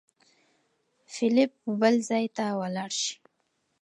فېلېپ به بل ځای ته ولاړ شي.